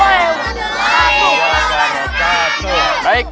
waalaikumsalam warahmatullahi wabarakatuh